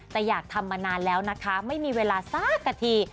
แต่อยากทำมานานแล้วนะคะไม่มีเวลาสักนาที